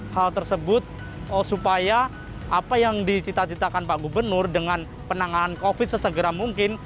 hal tersebut supaya apa yang dicita citakan pak gubernur dengan penanganan covid sesegera mungkin